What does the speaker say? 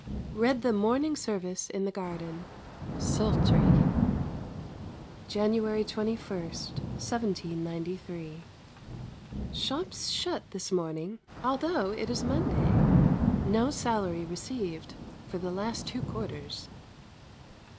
Read the morning service in the garden. Sultry. January 21, 1793. Shops shut this morning, although it is Monday. No salary received for the last two quarters.